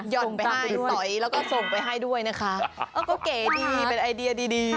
่อนไปให้สอยแล้วก็ส่งไปให้ด้วยนะคะเออก็เก๋ดีเป็นไอเดียดีดี